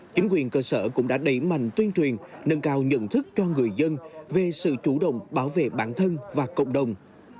chính quyền cơ sở cũng đã đẩy mạnh tuyên truyền nâng cao nhận thức cho người dân về sự chủ động bảo vệ bản thân và cộng đồng